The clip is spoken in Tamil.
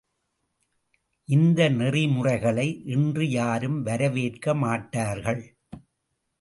இந்த நெறிமுறைகளை இன்று யாரும் வரவேற்க மாட்டார்கள்.